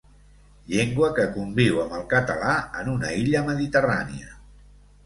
Llengua que conviu amb el català en una illa mediterrània.